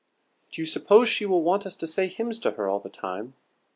"Do you suppose she will want us to say hymns to her all the time?"